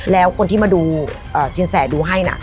แล้วคนที่มาดูสินแสดูให้นะ